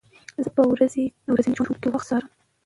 زه په ورځني ژوند کې وخت څارم.